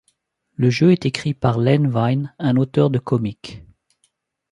Le jeu est écrit par Len Wein, un auteur de comic.